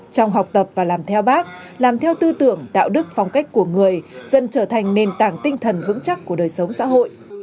trong học tập và làm theo bác làm theo tư tưởng đạo đức phong cách của người dân trở thành nền tảng tinh thần vững chắc của đời sống xã hội